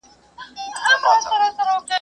بزه چي بام ته وخېژي، لېوه ته لا ښکنځل کوي.